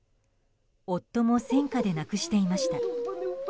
夫も戦火で亡くしていました。